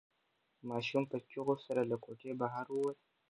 ماشوم په چیغو سره له کوټې بهر ووت.